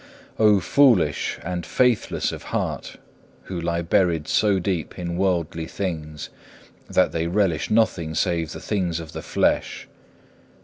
4. Oh foolish and faithless of heart, who lie buried so deep in worldly things, that they relish nothing save the things of the flesh!